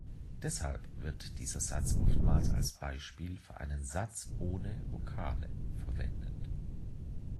Deshalb wird dieser Satz oftmals als Beispiel für einen „Satz ohne Vokale“ verwendet.